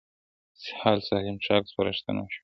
سهار سالم څښاک سپارښتنه شوه.